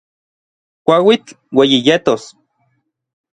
Kuauitl ueyi yetos.